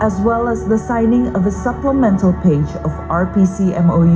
serta penyelamatkan pagi tambahan rpc mou